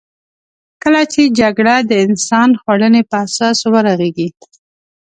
کله چې جګړه د انسان خوړنې په اساس ورغېږې.